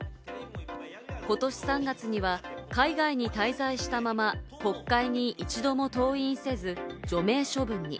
ことし３月には海外に滞在したまま、国会に一度も登院せず、除名処分に。